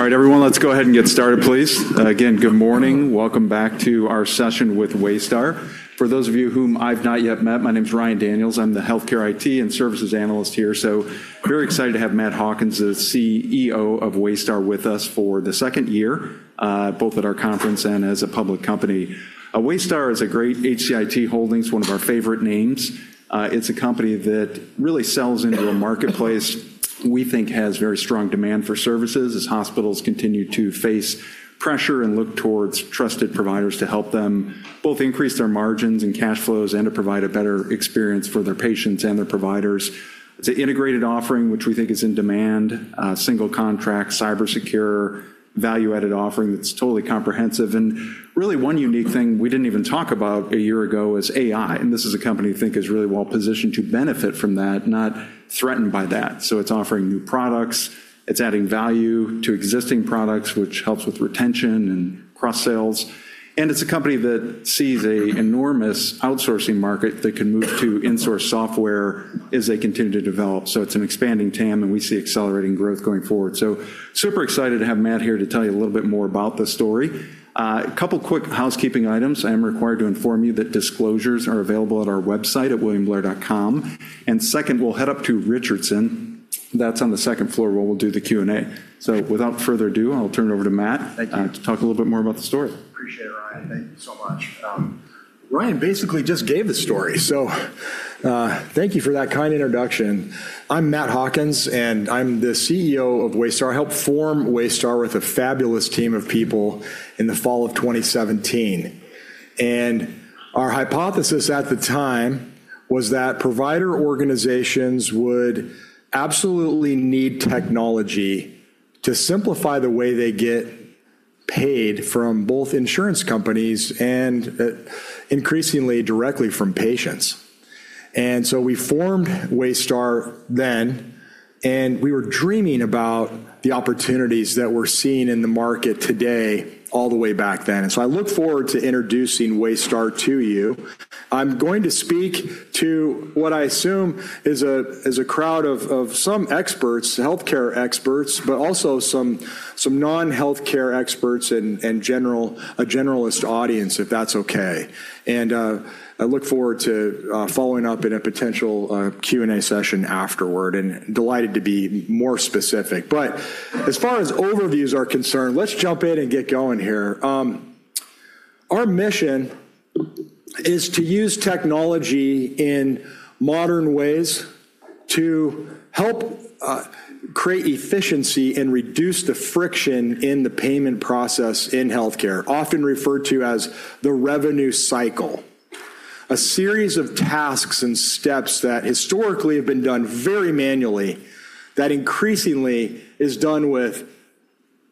All right, everyone. Let's go ahead and get started, please. Again, good morning. Welcome back to our session with Waystar. For those of you whom I've not yet met, my name's Ryan Daniels. I'm the healthcare IT and services analyst here. Very excited to have Matt Hawkins, the Chief Executive Officer of Waystar, with us for the second year, both at our conference and as a public company. Waystar is a great HCIT holdings, one of our favorite names. It's a company that really sells into a marketplace we think has very strong demand for services as hospitals continue to face pressure and look towards trusted providers to help them both increase their margins and cash flows and to provide a better experience for their patients and their providers. It's an integrated offering, which we think is in demand, a single contract, cyber-secure, value-added offering that's totally comprehensive. Really one unique thing we didn't even talk about a year ago is AI, and this is a company we think is really well-positioned to benefit from that, not threatened by that. It's offering new products. It's adding value to existing products, which helps with retention and cross-sales. It's a company that sees an enormous outsourcing market that can move to in-source software as they continue to develop. It's an expanding TAM. We see accelerating growth going forward. Super excited to have Matt here to tell you a little bit more about the story. A couple quick housekeeping items. I am required to inform you that disclosures are available at our website at williamblair.com. Second, we'll head up to Richardson. That's on the second floor where we'll do the Q&A. Without further ado, I'll turn it over to Matt. Thank you. To talk a little bit more about the story. Appreciate it, Ryan. Thank you so much. Ryan basically just gave the story, thank you for that kind introduction. I'm Matt Hawkins, I'm the Chief Executive Officer of Waystar. I helped form Waystar with a fabulous team of people in the fall of 2017. Our hypothesis at the time was that provider organizations would absolutely need technology to simplify the way they get paid from both insurance companies and increasingly directly from patients. We formed Waystar then, we were dreaming about the opportunities that we're seeing in the market today all the way back then. I look forward to introducing Waystar to you. I'm going to speak to what I assume is a crowd of some experts, healthcare experts, but also some non-healthcare experts and a generalist audience, if that's okay. I look forward to following up in a potential Q&A session afterward and delighted to be more specific. As far as overviews are concerned, let's jump in and get going here. Our mission is to use technology in modern ways to help create efficiency and reduce the friction in the payment process in healthcare, often referred to as the revenue cycle. A series of tasks and steps that historically have been done very manually that increasingly is done with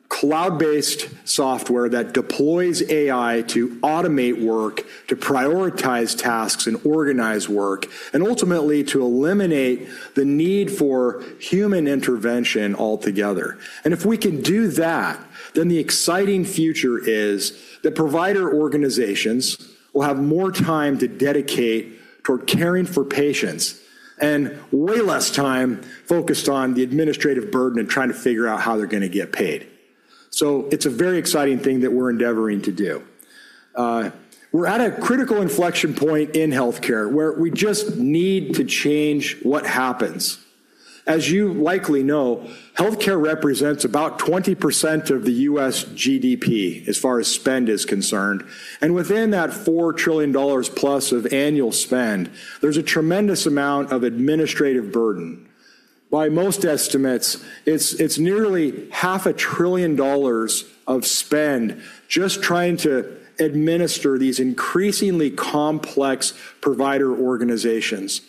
cloud-based software that deploys AI to automate work, to prioritize tasks, and organize work, and ultimately to eliminate the need for human intervention altogether. If we can do that, then the exciting future is that provider organizations will have more time to dedicate toward caring for patients and way less time focused on the administrative burden and trying to figure out how they're going to get paid. It's a very exciting thing that we're endeavoring to do. We're at a critical inflection point in healthcare where we just need to change what happens. As you likely know, healthcare represents about 20% of the U.S. GDP as far as spend is concerned. Within that $4+ trillion of annual spend, there's a tremendous amount of administrative burden. By most estimates, it's nearly half a trillion dollars of spend just trying to administer these increasingly complex provider organizations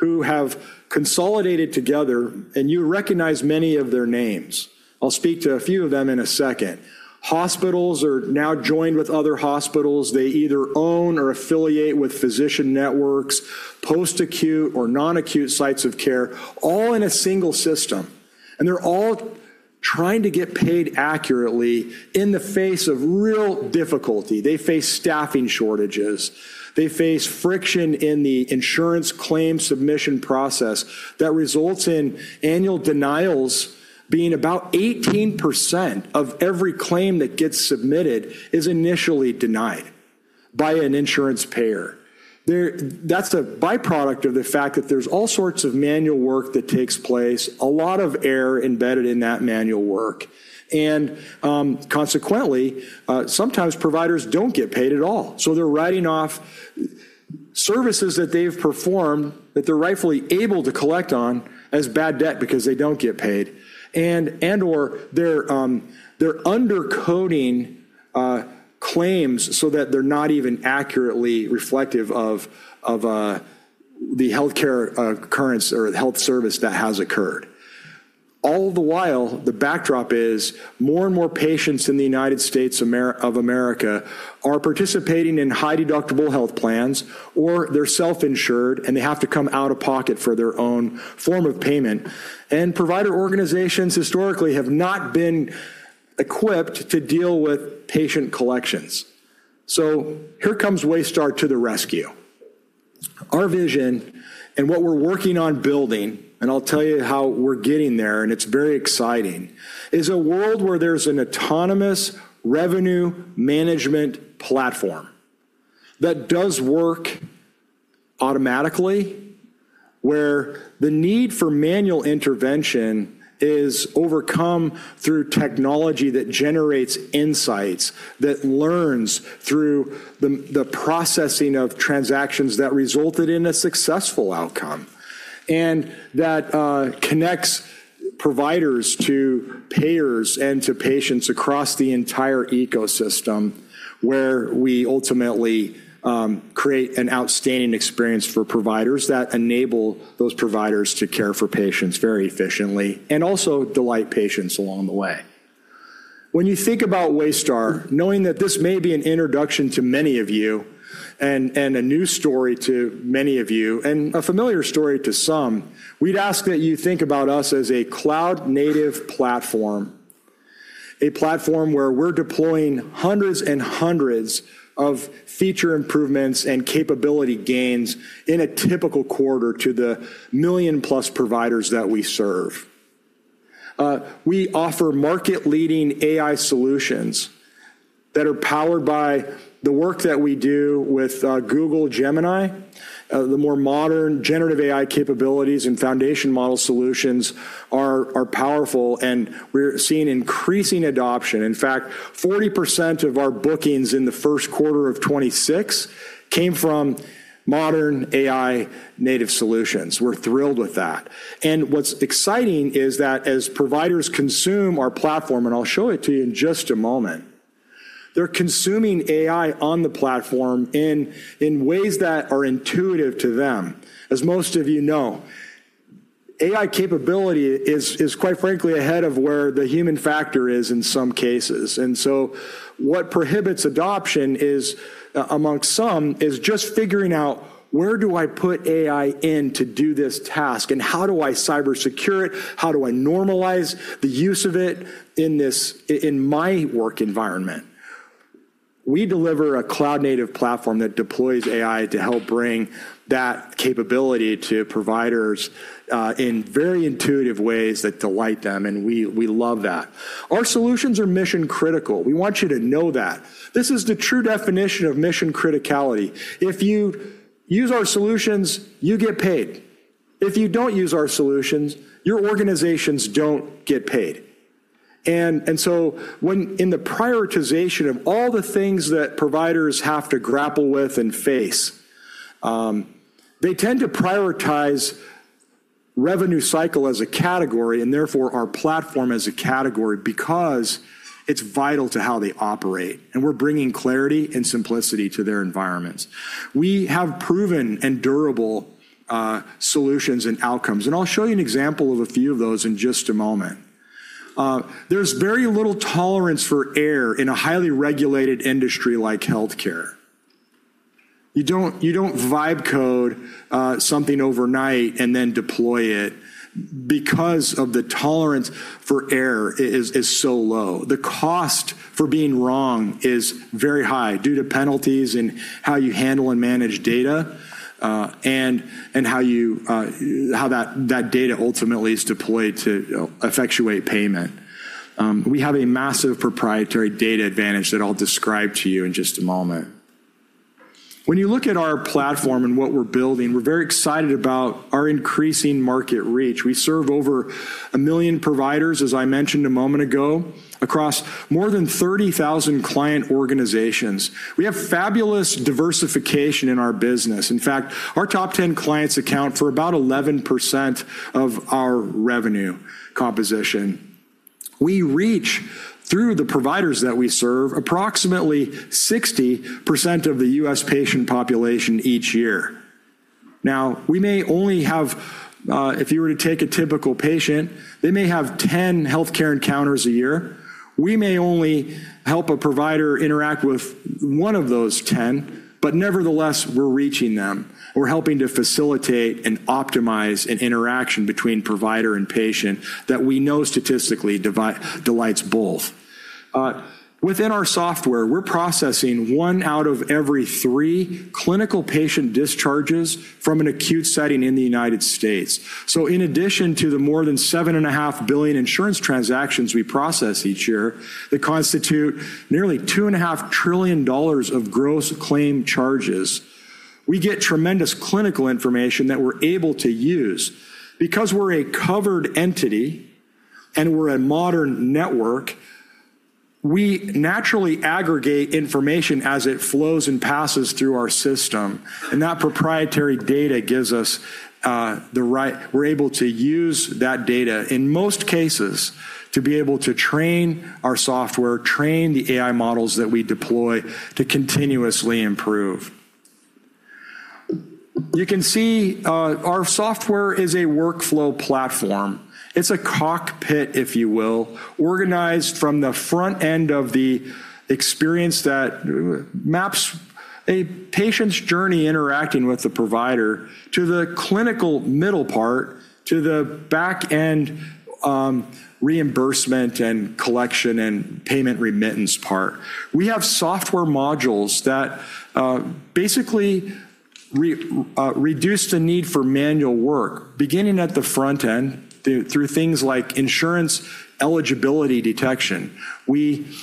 who have consolidated together, and you recognize many of their names. I'll speak to a few of them in a second. Hospitals are now joined with other hospitals. They either own or affiliate with physician networks, post-acute or non-acute sites of care, all in a single system. They're all trying to get paid accurately in the face of real difficulty. They face staffing shortages. They face friction in the insurance claim submission process that results in annual denials being about 18% of every claim that gets submitted is initially denied by an insurance payer. That's a byproduct of the fact that there's all sorts of manual work that takes place, a lot of error embedded in that manual work. Consequently, sometimes providers don't get paid at all. They're writing off services that they've performed that they're rightfully able to collect on as bad debt because they don't get paid and/or they're under-coding claims so that they're not even accurately reflective of the healthcare occurrence or the health service that has occurred. All the while, the backdrop is more and more patients in the United States of America are participating in high-deductible health plans, or they're self-insured, and they have to come out of pocket for their own form of payment. Provider organizations historically have not been equipped to deal with patient collections. Here comes Waystar to the rescue. Our vision and what we're working on building, and I'll tell you how we're getting there, and it's very exciting, is a world where there's an autonomous revenue management platform that does work automatically, where the need for manual intervention is overcome through technology that generates insights, that learns through the processing of transactions that resulted in a successful outcome, and that connects providers to payers and to patients across the entire ecosystem, where we ultimately create an outstanding experience for providers that enable those providers to care for patients very efficiently, and also delight patients along the way. When you think about Waystar, knowing that this may be an introduction to many of you and a new story to many of you and a familiar story to some, we'd ask that you think about us as a cloud-native platform. A platform where we're deploying hundreds and hundreds of feature improvements and capability gains in a typical quarter to the million-plus providers that we serve. We offer market-leading AI solutions that are powered by the work that we do with Google Gemini. The more modern generative AI capabilities and foundation model solutions are powerful, and we're seeing increasing adoption. In fact, 40% of our bookings in the first quarter of 2026 came from modern AI-native solutions. We're thrilled with that. What's exciting is that as providers consume our platform, and I'll show it to you in just a moment, they're consuming AI on the platform in ways that are intuitive to them. As most of you know, AI capability is quite frankly ahead of where the human factor is in some cases. What prohibits adoption amongst some is just figuring out where do I put AI in to do this task, and how do I cyber secure it? How do I normalize the use of it in my work environment? We deliver a cloud-native platform that deploys AI to help bring that capability to providers, in very intuitive ways that delight them. We love that. Our solutions are mission-critical. We want you to know that. This is the true definition of mission criticality. If you use our solutions, you get paid. If you don't use our solutions, your organizations don't get paid. In the prioritization of all the things that providers have to grapple with and face, they tend to prioritize revenue cycle as a category and therefore our platform as a category because it's vital to how they operate, and we're bringing clarity and simplicity to their environments. We have proven and durable solutions and outcomes, and I'll show you an example of a few of those in just a moment. There's very little tolerance for error in a highly regulated industry like healthcare. You don't vibe code something overnight and then deploy it because the tolerance for error is so low. The cost for being wrong is very high due to penalties and how you handle and manage data, and how that data ultimately is deployed to effectuate payment. We have a massive proprietary data advantage that I'll describe to you in just a moment. When you look at our platform and what we're building, we're very excited about our increasing market reach. We serve over a million providers, as I mentioned a moment ago, across more than 30,000 client organizations. We have fabulous diversification in our business. In fact, our top 10 clients account for about 11% of our revenue composition. We reach through the providers that we serve, approximately 60% of the U.S. patient population each year. Now, we may only have, if you were to take a typical patient, they may have 10 healthcare encounters a year. We may only help a provider interact with one of those 10, but nevertheless, we're reaching them. We're helping to facilitate and optimize an interaction between provider and patient that we know statistically delights both. Within our software, we're processing one out of every three clinical patient discharges from an acute setting in the U.S. In addition to the more than seven and a half billion insurance transactions we process each year, that constitute nearly $2.5 trillion of gross claim charges, we get tremendous clinical information that we're able to use. Because we're a covered entity and we're a modern network, we naturally aggregate information as it flows and passes through our system. That proprietary data We're able to use that data in most cases to be able to train our software, train the AI models that we deploy to continuously improve. You can see our software is a workflow platform. It's a cockpit, if you will, organized from the front end of the experience that maps a patient's journey interacting with the provider to the clinical middle part, to the back end reimbursement and collection and payment remittance part. We have software modules that basically reduce the need for manual work, beginning at the front end through things like insurance eligibility detection. We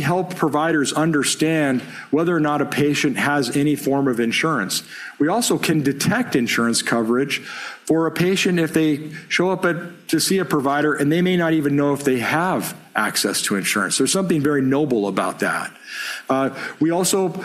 help providers understand whether or not a patient has any form of insurance. We also can detect insurance coverage for a patient if they show up to see a provider, and they may not even know if they have access to insurance. There's something very noble about that. We also,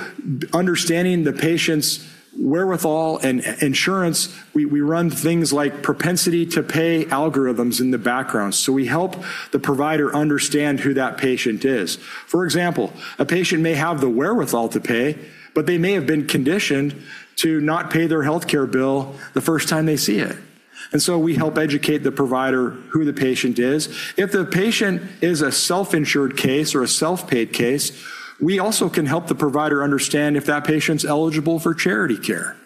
understanding the patient's wherewithal and insurance, we run things like propensity-to-pay algorithms in the background. We help the provider understand who that patient is. For example, a patient may have the wherewithal to pay, but they may have been conditioned to not pay their healthcare bill the first time they see it. We help educate the provider who the patient is. If the patient is a self-insured case or a self-paid case, we also can help the provider understand if that patient's eligible for charity care.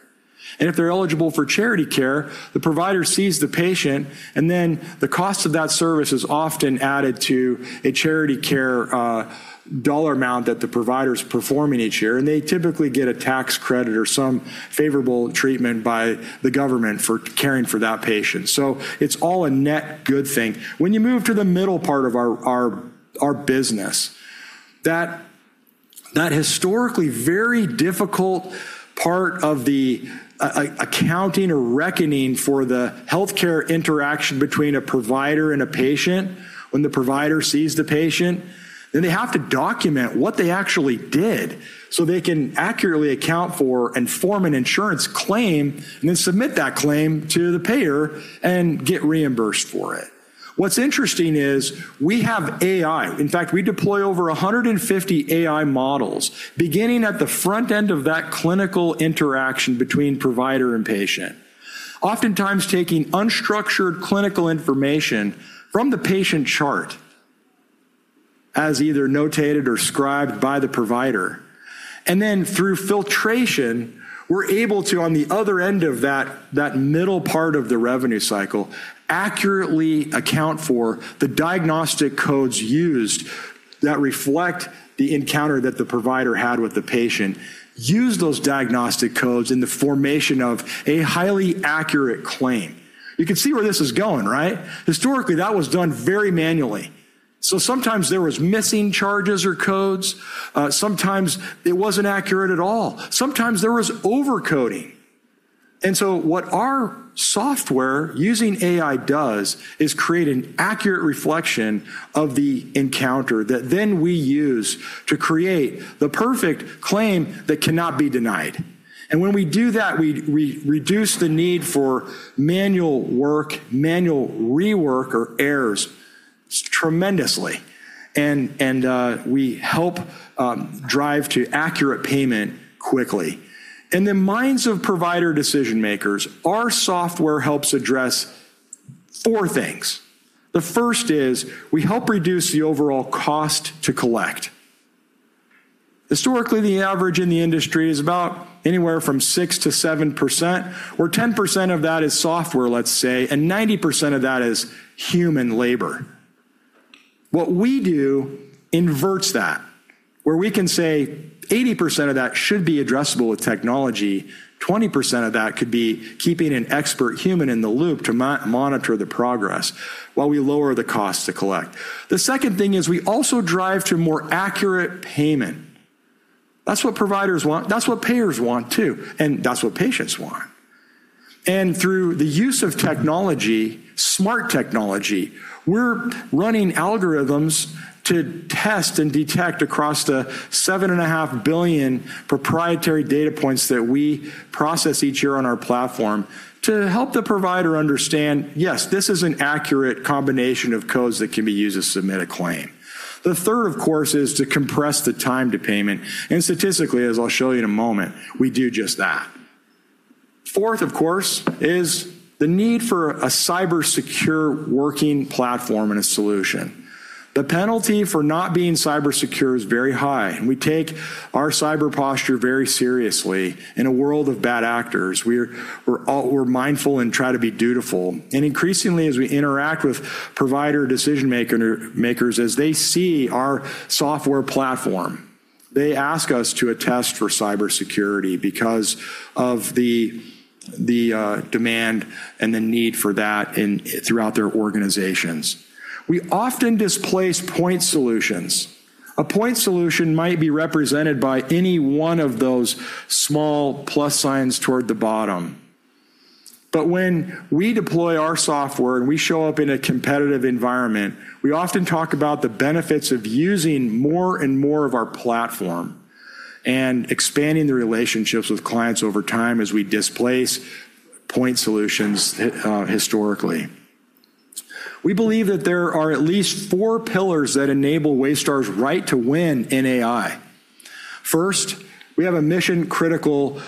If they're eligible for charity care, the provider sees the patient, and then the cost of that service is often added to a charity care dollar amount that the provider's performing each year, and they typically get a tax credit or some favorable treatment by the government for caring for that patient. It's all a net good thing. When you move to the middle part of our business, that historically very difficult part of the accounting or reckoning for the healthcare interaction between a provider and a patient when the provider sees the patient, then they have to document what they actually did so they can accurately account for and form an insurance claim and then submit that claim to the payer and get reimbursed for it. What's interesting is we have AI. In fact, we deploy over 150 AI models beginning at the front end of that clinical interaction between provider and patient, oftentimes taking unstructured clinical information from the patient chart as either notated or scribed by the provider. Through filtration, we're able to, on the other end of that middle part of the revenue cycle, accurately account for the diagnostic codes used that reflect the encounter that the provider had with the patient, use those diagnostic codes in the formation of a highly accurate claim. You can see where this is going, right? Historically, that was done very manually. Sometimes there was missing charges or codes. Sometimes it wasn't accurate at all. Sometimes there was over-coding. What our software using AI does is create an accurate reflection of the encounter that then we use to create the perfect claim that cannot be denied. When we do that, we reduce the need for manual work, manual rework or errors tremendously. We help drive to accurate payment quickly. In the minds of provider decision-makers, our software helps address four things. The first is we help reduce the overall cost to collect. Historically, the average in the industry is about anywhere from 6%-7%, where 10% of that is software, let's say, and 90% of that is human labor. What we do inverts that, where we can say 80% of that should be addressable with technology, 20% of that could be keeping an expert human in the loop to monitor the progress while we lower the cost to collect. The second thing is we also drive to more accurate payment. That's what providers want. That's what payers want too, and that's what patients want. Through the use of technology, smart technology, we're running algorithms to test and detect across the 7.5 billion proprietary data points that we process each year on our platform to help the provider understand, yes, this is an accurate combination of codes that can be used to submit a claim. The third, of course, is to compress the time to payment. Statistically, as I'll show you in a moment, we do just that. Fourth, of course, is the need for a cybersecure working platform and a solution. The penalty for not being cybersecure is very high, and we take our cyber posture very seriously. In a world of bad actors, we're mindful and try to be dutiful. Increasingly, as we interact with provider decision-makers, as they see our software platform, they ask us to attest for cybersecurity because of the demand and the need for that throughout their organizations. We often displace point solutions. A point solution might be represented by any one of those small plus signs toward the bottom. When we deploy our software and we show up in a competitive environment, we often talk about the benefits of using more and more of our platform and expanding the relationships with clients over time as we displace point solutions historically. We believe that there are at least four pillars that enable Waystar's right to win in AI. First, we have a mission-critical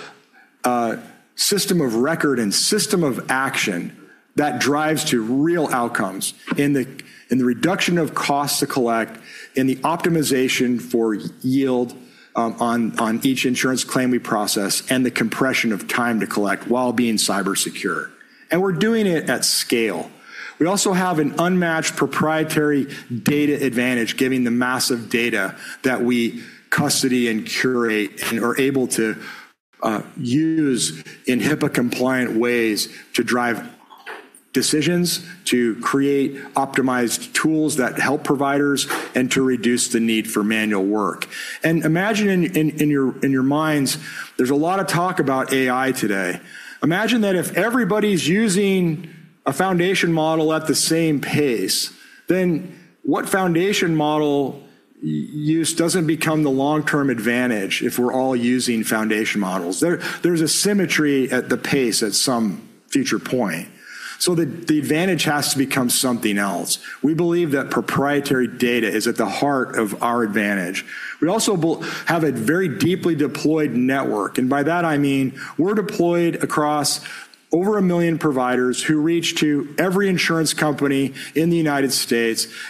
system of record and system of action that drives to real outcomes in the reduction of cost to collect and the optimization for yield on each insurance claim we process and the compression of time to collect while being cybersecure. We're doing it at scale. We also have an unmatched proprietary data advantage given the massive data that we custody and curate and are able to use in HIPAA-compliant ways to drive decisions, to create optimized tools that help providers, and to reduce the need for manual work. Imagine in your minds, there's a lot of talk about AI today. Imagine that if everybody's using a foundation model at the same pace, then what foundation model use doesn't become the long-term advantage if we're all using foundation models? There's a symmetry at the pace at some future point. The advantage has to become something else. We believe that proprietary data is at the heart of our advantage. We also have a very deeply deployed network, and by that I mean we're deployed across over a million providers who reach to every insurance company in the U.S.,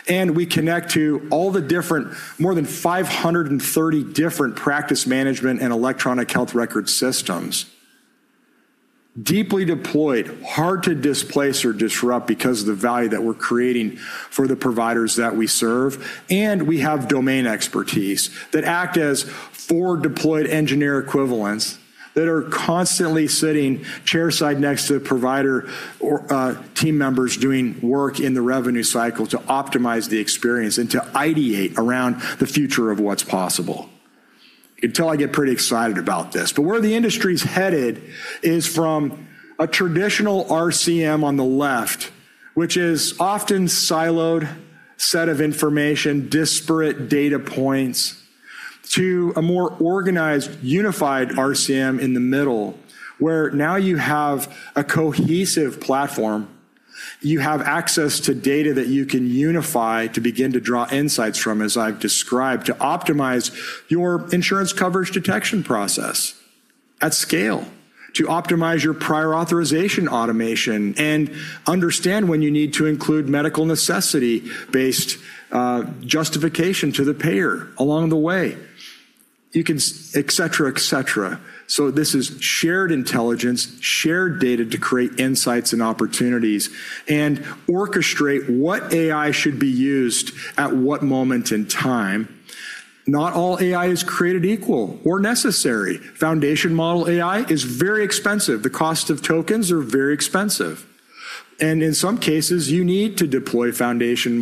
and we connect to more than 530 different practice management and electronic health record systems. Deeply deployed, hard to displace or disrupt because of the value that we're creating for the providers that we serve, and we have domain expertise that act as forward-deployed engineer equivalents that are constantly sitting chairside next to the provider or team members doing work in the revenue cycle to optimize the experience and to ideate around the future of what's possible. Until I get pretty excited about this. Where the industry is headed is from a traditional RCM on the left, which is often siloed set of information, disparate data points, to a more organized, unified RCM in the middle, where now you have a cohesive platform. You have access to data that you can unify to begin to draw insights from, as I've described, to optimize your insurance coverage detection process at scale, to optimize your prior authorization automation and understand when you need to include medical necessity-based justification to the payer along the way. Et cetera. This is shared intelligence, shared data to create insights and opportunities and orchestrate what AI should be used at what moment in time. Not all AI is created equal or necessary. Foundation model AI is very expensive. The cost of tokens are very expensive, and in some cases, you need to deploy foundation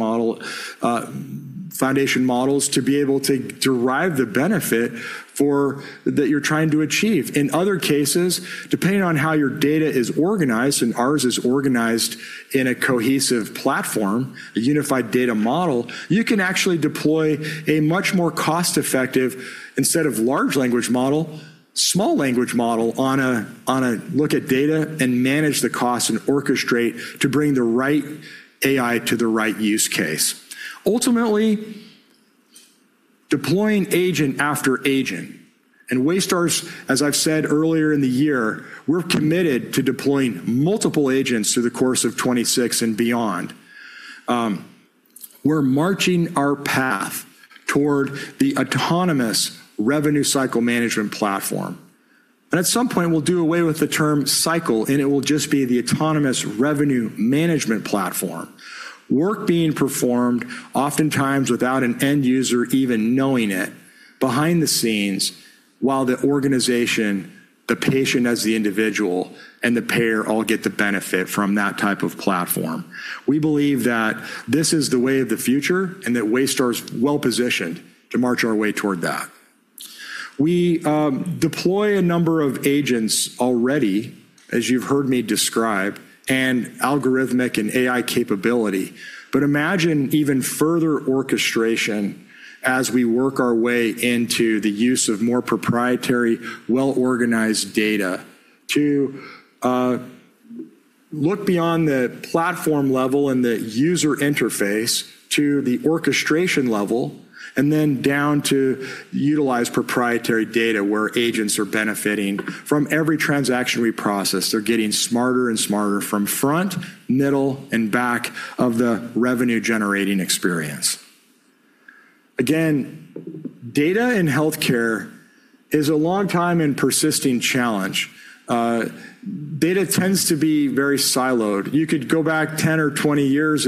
models to be able to derive the benefit that you're trying to achieve. In other cases, depending on how your data is organized, and ours is organized in a cohesive platform, a unified data model, you can actually deploy a much more cost-effective, instead of large language model, small language model on a look at data and manage the cost and orchestrate to bring the right AI to the right use case. Ultimately, deploying agent after agent, and Waystar's, as I've said earlier in the year, we're committed to deploying multiple agents through the course of 2026 and beyond. We're marching our path toward the autonomous revenue cycle management platform. At some point, we'll do away with the term cycle, and it will just be the autonomous revenue management platform. Work being performed oftentimes without an end user even knowing it, behind the scenes, while the organization, the patient as the individual, and the payer all get the benefit from that type of platform. We believe that this is the way of the future and that Waystar is well-positioned to march our way toward that. We deploy a number of agents already, as you've heard me describe, and algorithmic and AI capability. Imagine even further orchestration as we work our way into the use of more proprietary, well-organized data to look beyond the platform level and the user interface to the orchestration level, and then down to utilize proprietary data where agents are benefiting from every transaction we process. They're getting smarter and smarter from front, middle, and back of the revenue-generating experience. Again, data in healthcare is a long time and persisting challenge. Data tends to be very siloed. You could go back 10 or 20 years.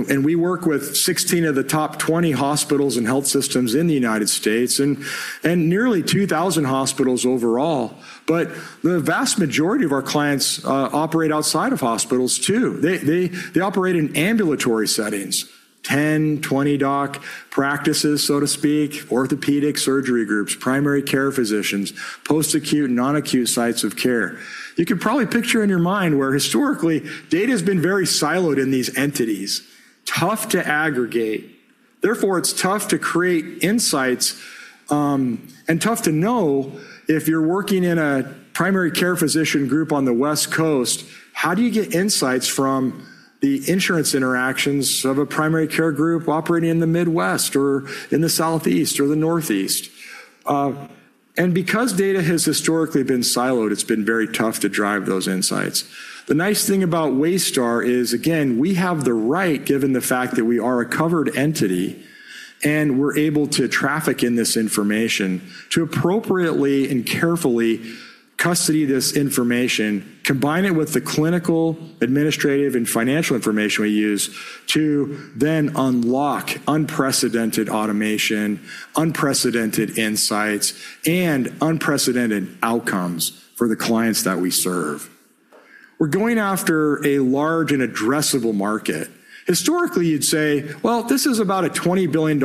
We work with 16 of the top 20 hospitals and health systems in the U.S. and nearly 2,000 hospitals overall. The vast majority of our clients operate outside of hospitals too. They operate in ambulatory settings, 10, 20-doc practices, so to speak, orthopedic surgery groups, primary care physicians, post-acute, non-acute sites of care. You can probably picture in your mind where historically, data has been very siloed in these entities. Tough to aggregate. Therefore, it's tough to create insights, and tough to know if you're working in a primary care physician group on the West Coast, how do you get insights from the insurance interactions of a primary care group operating in the Midwest or in the Southeast or the Northeast? Because data has historically been siloed, it's been very tough to drive those insights. The nice thing about Waystar is, again, we have the right, given the fact that we are a covered entity, we're able to traffic in this information to appropriately and carefully custody this information, combine it with the clinical, administrative, and financial information we use to then unlock unprecedented automation, unprecedented insights, and unprecedented outcomes for the clients that we serve. We're going after a large and addressable market. Historically, you'd say, well, this is about a $20 billion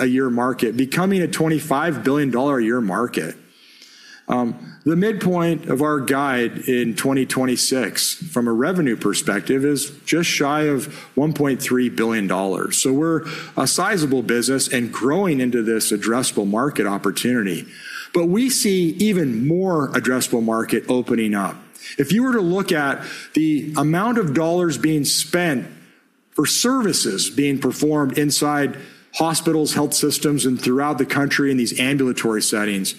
a year market becoming a $25 billion a year market. The midpoint of our guide in 2026, from a revenue perspective, is just shy of $1.3 billion. We're a sizable business and growing into this addressable market opportunity. We see even more addressable market opening up. If you were to look at the amount of dollars being spent for services being performed inside hospitals, health systems, and throughout the country in these ambulatory settings,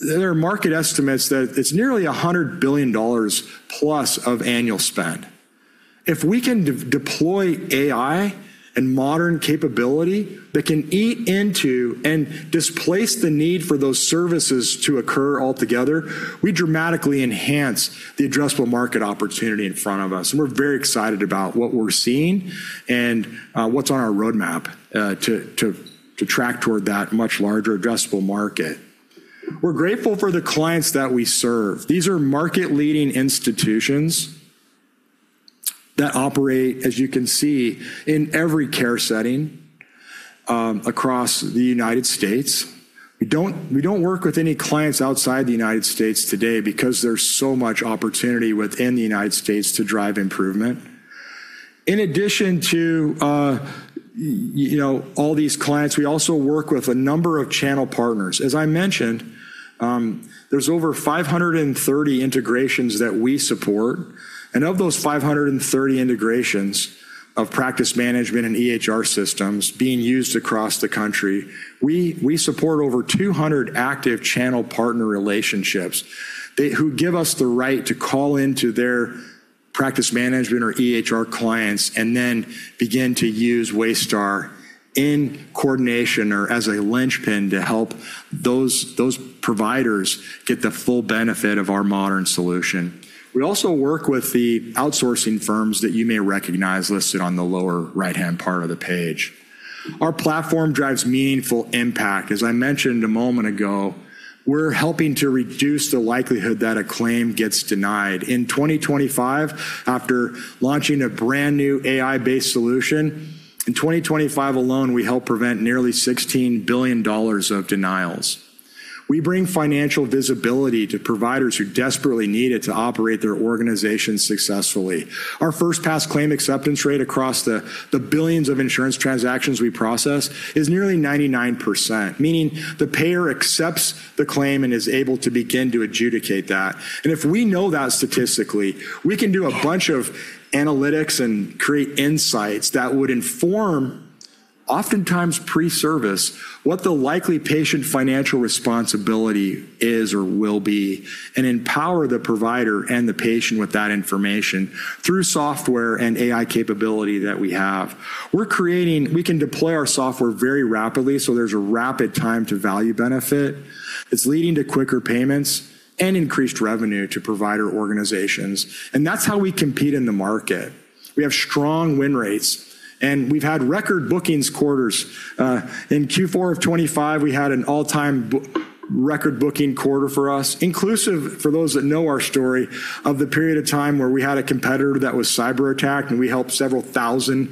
there are market estimates that it's nearly $100+ billion of annual spend. If we can deploy AI and modern capability that can eat into and displace the need for those services to occur altogether, we dramatically enhance the addressable market opportunity in front of us, and we're very excited about what we're seeing and what's on our roadmap to track toward that much larger addressable market. We're grateful for the clients that we serve. These are market-leading institutions that operate, as you can see, in every care setting across the United States. We don't work with any clients outside the United States today because there's so much opportunity within the United States to drive improvement. In addition to all these clients, we also work with a number of channel partners. As I mentioned, there's over 530 integrations that we support, and of those 530 integrations of practice management and EHR systems being used across the country, we support over 200 active channel partner relationships who give us the right to call into their practice management or EHR clients and then begin to use Waystar in coordination or as a linchpin to help those providers get the full benefit of our modern solution. We also work with the outsourcing firms that you may recognize listed on the lower right-hand part of the page. Our platform drives meaningful impact. As I mentioned a moment ago, we're helping to reduce the likelihood that a claim gets denied. In 2025, after launching a brand-new AI-based solution, in 2025 alone, we helped prevent nearly $16 billion of denials. We bring financial visibility to providers who desperately need it to operate their organizations successfully. Our first pass claim acceptance rate across the billions of insurance transactions we process is nearly 99%, meaning the payer accepts the claim and is able to begin to adjudicate that. If we know that statistically, we can do a bunch of analytics and create insights that would inform, oftentimes pre-service, what the likely patient financial responsibility is or will be and empower the provider and the patient with that information through software and AI capability that we have. We can deploy our software very rapidly, so there's a rapid time to value benefit that's leading to quicker payments and increased revenue to provider organizations, and that's how we compete in the market. We have strong win rates, and we've had record bookings quarters.﻿ In Q4 of 2025, we had an all-time record booking quarter for us, inclusive for those that know our story of the period of time where we had a competitor that was cyberattacked and we helped several thousand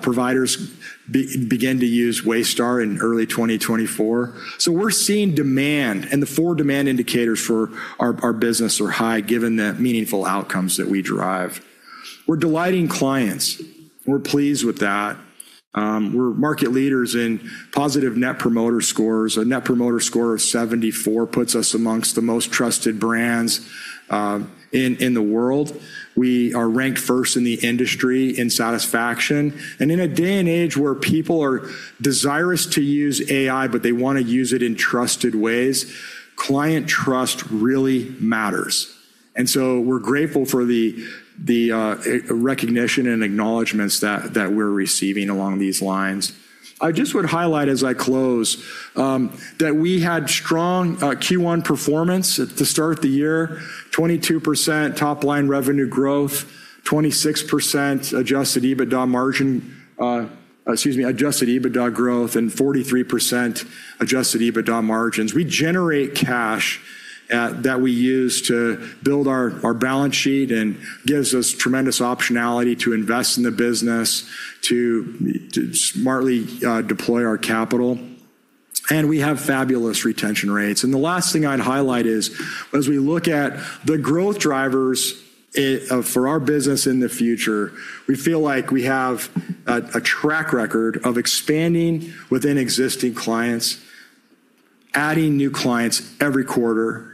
providers begin to use Waystar in early 2024. We're seeing demand, and the four demand indicators for our business are high given the meaningful outcomes that we drive. We're delighting clients. We're pleased with that. We're market leaders in positive Net Promoter Scores. A Net Promoter Score of 74 puts us amongst the most trusted brands in the world. We are ranked first in the industry in satisfaction. In a day and age where people are desirous to use AI, but they want to use it in trusted ways, client trust really matters. We're grateful for the recognition and acknowledgments that we're receiving along these lines. I just would highlight as I close that we had strong Q1 performance at the start of the year, 22% top-line revenue growth, 26% adjusted EBITDA margin, excuse me, adjusted EBITDA growth, and 43% adjusted EBITDA margins. We generate cash that we use to build our balance sheet and gives us tremendous optionality to invest in the business, to smartly deploy our capital. We have fabulous retention rates. The last thing I'd highlight is as we look at the growth drivers for our business in the future, we feel like we have a track record of expanding within existing clients, adding new clients every quarter,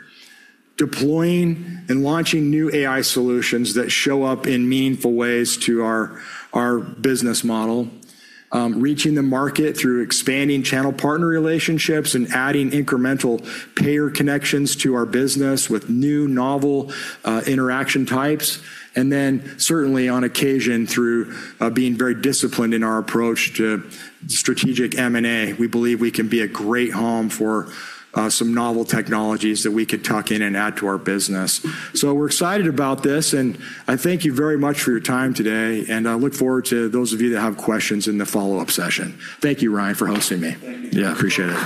deploying and launching new AI solutions that show up in meaningful ways to our business model, reaching the market through expanding channel partner relationships and adding incremental payer connections to our business with new novel interaction types, certainly on occasion through being very disciplined in our approach to strategic M&A. We believe we can be a great home for some novel technologies that we could tuck in and add to our business. We're excited about this. I thank you very much for your time today. I look forward to those of you that have questions in the follow-up session. Thank you, Ryan, for hosting me. Thank you. Yeah, appreciate it.